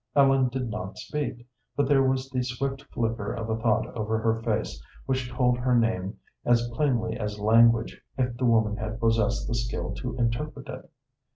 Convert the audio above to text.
Ellen did not speak, but there was the swift flicker of a thought over her face which told her name as plainly as language if the woman had possessed the skill to interpret it.